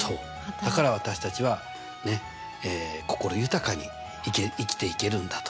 だから私たちはねっ心豊かに生きていけるんだと。